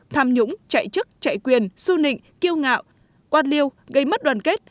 tham nhũng chạy chức chạy quyền su nịnh kiêu ngạo quan liêu gây mất đoàn kết